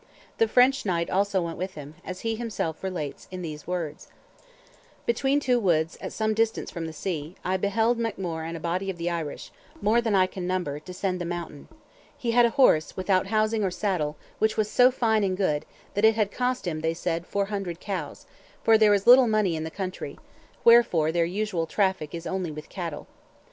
The French knight also went with him, as he himself relates in these words: "Between two woods, at some distance from the sea, I beheld MacMore and a body of the Irish, more than I can number, descend the mountain. He had a horse, without housing or saddle, which was so fine and good, that it had cost him, they said, four hundred cows; for there is little money in the country, wherefore their usual traffic is only with cattle.